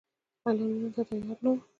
اعلانولو ته تیار نه وو.